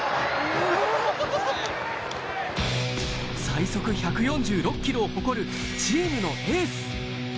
最速１４６キロを誇るチームのエース。